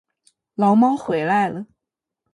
牢猫回来了